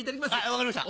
分かりました。